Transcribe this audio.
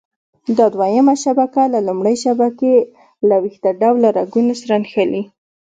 دا دویمه شبکه له لومړۍ شبکې له ویښته ډوله رګونو سره نښلي.